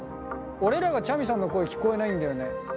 俺らがちゃみさんの声聞こえないんだよね。